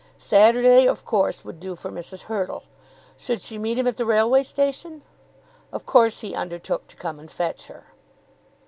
Saturday of course would do for Mrs. Hurtle. Should she meet him at the railway station? Of course he undertook to come and fetch her.